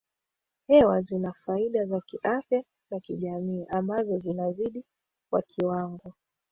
hewa zina faida za kiafya na kijamii ambazo zinazidi kwa kiwango